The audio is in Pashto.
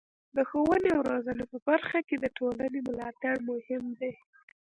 د ښوونې او روزنې په برخه کې د ټولنې ملاتړ مهم دی.